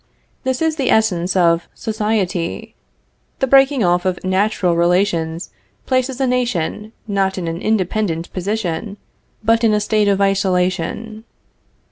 This is the essence of society. The breaking off of natural relations places a nation, not in an independent position, but in a state of isolation.